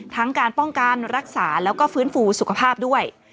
การป้องกันรักษาแล้วก็ฟื้นฟูสุขภาพด้วย